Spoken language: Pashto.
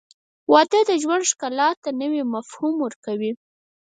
• واده د ژوند ښکلا ته نوی مفهوم ورکوي.